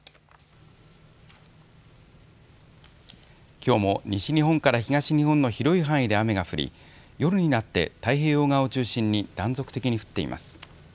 きょうも西日本から東日本の広い範囲で雨が降り夜になって太平洋側を中心に断続的に降っています。